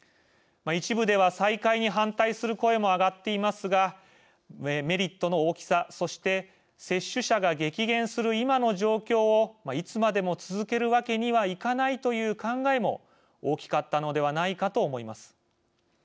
一部では再開に反対する声も上がっていますがメリットの大きさ、そして接種者が激減する今の状況をいつまでも続けるわけにはいかないという考えも大きかったのではないかと思います。